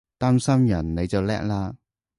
擔心人你就叻喇！